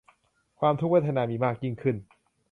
ความทุกขเวทนามีมากยิ่งขึ้น